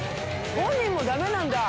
本人もダメなんだ。